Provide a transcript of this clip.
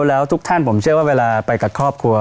แล้วทุกท่านผมเชื่อว่าเวลาไปกับครอบครัว